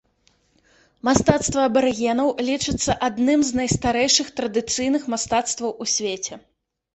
Мастацтва абарыгенаў лічыцца адным з найстарэйшых традыцыйных мастацтваў у свеце.